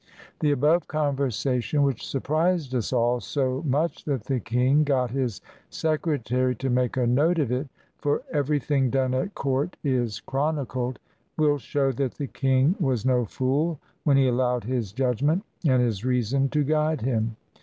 The above conversation, which surprised us all so much that the king got his secretary to make a note of it, — for everything done at court is chronicled, — will show that the king was no fool, when he allowed his judg ment and his reason to guide him.